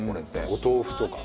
お豆腐とか。